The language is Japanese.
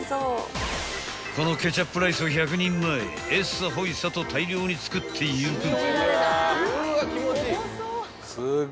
［このケチャップライスを１００人前えっさほいさと大量に作っていく］